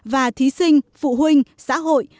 và thí sinh phụ huynh xã hội